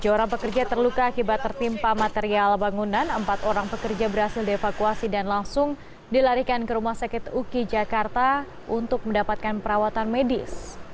tujuh orang pekerja terluka akibat tertimpa material bangunan empat orang pekerja berhasil dievakuasi dan langsung dilarikan ke rumah sakit uki jakarta untuk mendapatkan perawatan medis